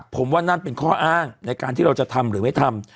ผมว่านั่นเป็นข้ออ้างในการที่เราจะทำหรือไม่ทำ